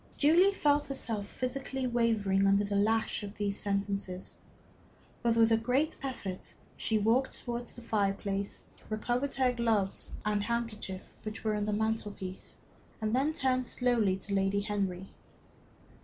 Julie felt herself physically wavering under the lash of these sentences. But with a great effort she walked towards the fireplace, recovered her gloves and handkerchief, which were on the mantel piece, and then turned slowly to Lady Henry.